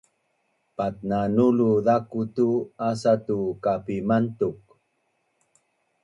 patnanulu zaku tu asa tu kapimantuk